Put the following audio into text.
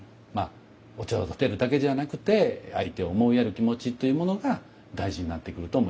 お茶を点てるだけじゃなくて相手を思いやる気持ちというものが大事になってくると思います。